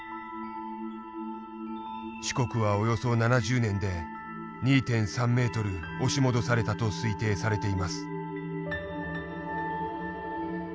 四国はおよそ７０年で２．３ｍ押し戻されたと推定されています。